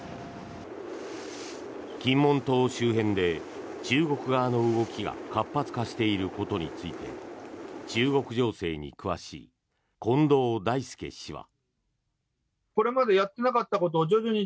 金門島周辺で中国側の動きが活発化していることについて中国情勢に詳しい近藤大介氏は。